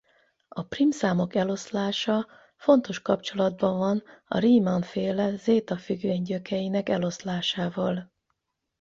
A prímszámok eloszlása fontos kapcsolatban van a Riemann-féle zéta-függvény gyökeinek eloszlásával.